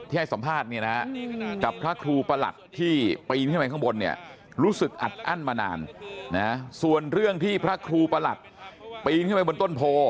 ให้สัมภาษณ์เนี่ยนะกับพระครูประหลัดที่ปีนขึ้นไปข้างบนเนี่ยรู้สึกอัดอั้นมานานนะส่วนเรื่องที่พระครูประหลัดปีนขึ้นไปบนต้นโพ